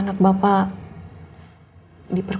anak bapak diperkosa